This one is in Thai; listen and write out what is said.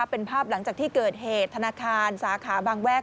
เป็นภาพหลังจากที่เกิดเหตุธนาคารสาขาบางแวก